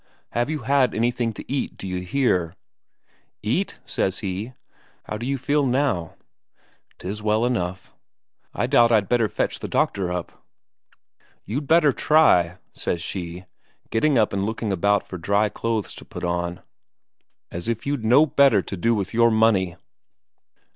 Have you had anything to eat, d'you hear?" "Eat?" says he. "How d'you feel now?" "Tis well enough." "I doubt I'd better fetch the doctor up." "You'd better try!" says she, getting up and looking about for dry clothes to put on. "As if you'd no better to do with your money!"